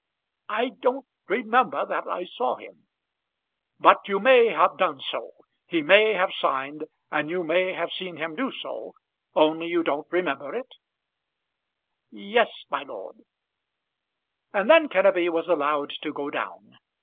"I don't remember that I saw him." "But you may have done so? He may have signed, and you may have seen him do so, only you don't remember it?" "Yes, my lord." And then Kenneby was allowed to go down.